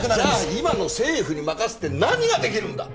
今の政府に任せて何ができるんだ！